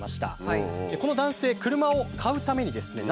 この男性車を買うためにですね